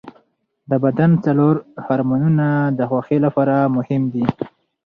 د بدن څلور هورمونونه د خوښۍ لپاره مهم دي.